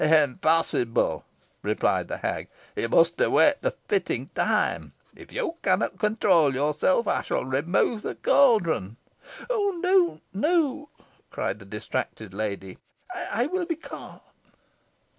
"Impossible!" replied the hag: "you must await the fitting time. If you cannot control yourself, I shall remove the caldron." "Oh! no, no," cried the distracted lady. "I will be calm.